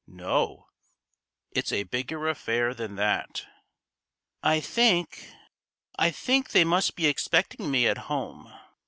"No; it's a bigger affair than that." "I think I think they must be expecting me at home."